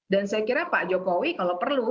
dan saya kira pak jokowi kalau perlu